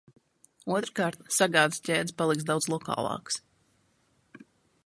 Otrkārt – sagādes ķēdes paliks daudz lokālākas.